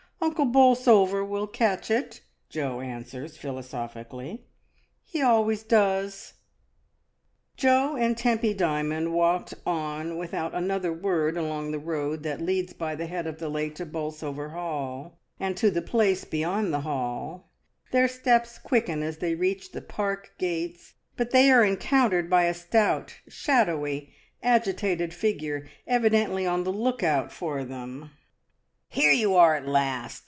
"Uncle Bolsover will catch it," Jo answers philosophically. "He always does." Jo and Tempy Dymond walked on without an other word along the road that leads by the head of the lake to Bolsover Hall and to the Place be . 134 MI^S. DYMOND. yond the Hall. Their steps quicken as they reach the park gates, but they are encountered by a stout, shadowy, agitated figure, evidently on the look out for them. "Here you are at last!